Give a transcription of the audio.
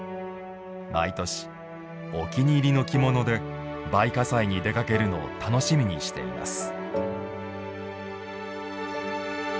毎年、お気に入りの着物で梅花祭に出かけるのを楽しみにしています。